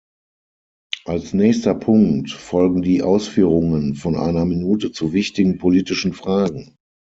Als nächster Punkt folgen die Ausführungen von einer Minute zu wichtigen politischen Fragen.